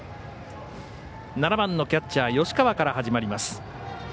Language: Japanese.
７番のキャッチャー吉川から始まります。